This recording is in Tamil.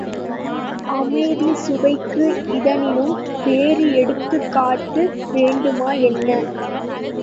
அமைதிச் சுவைக்கு இதனினும் வேறு எடுத்துக் காட்டு வேண்டுமா என்ன!